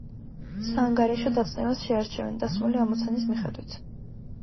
საანგარიშო დაწნევას შეარჩევენ დასმული ამოცანის მიხედვით.